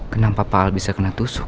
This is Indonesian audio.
kenapa pak al bisa kena tusuk